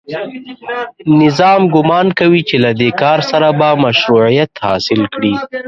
نظام ګومان کوي چې له دې کار سره به مشروعیت حاصل کړي